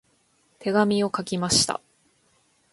手紙を書きました。